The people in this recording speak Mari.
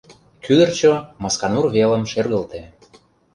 Кӱдырчӧ Масканур велым шергылте.